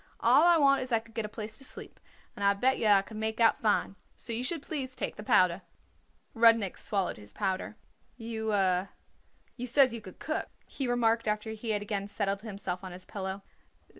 All I want is I could get a place to sleep, and I bet yer I could make out fine. So you should please take the powder." Rudnik swallowed his powder. "You says you could cook," he remarked after he had again settled himself on his pillow.